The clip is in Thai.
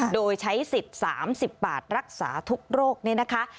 โดยใช้สิทธิ์๓๐บาทรักษาทุกโรคนี้นะคะ